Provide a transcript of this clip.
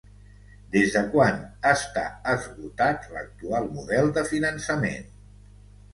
Des de quan està esgotat l'actual model de finançament?